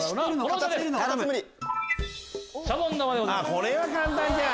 これは簡単じゃん。